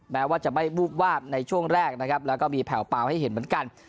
แม้ว่าจะไม่วูบวาบในช่วงแรกนะครับแล้วก็มีแผ่วเปล่าให้เห็นเหมือนกัน